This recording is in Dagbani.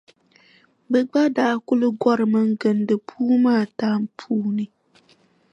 Bɛ gba daa kuli gɔrimi n-gindi puu maa tam puuni.